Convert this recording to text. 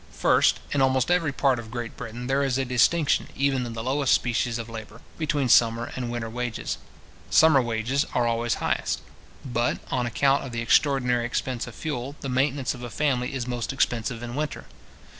First, in almost every part of Great Britain there is a distinction, even in the lowest species of labour, between summer and winter wages. Summer wages are always highest. But, on account of the extraordinary expense of fuel, the maintenance of a family is most expensive in winter.